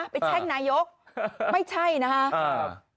ไปแช่งนายกไม่ใช่นะฮะอือ